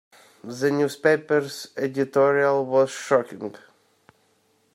The newspaper's editorial was shocking.